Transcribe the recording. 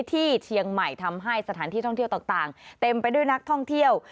ที่เชียงใหม่ทำให้สถานที่ท่องเที่ยวต่างเต็มไปด้วยนักท่องเที่ยว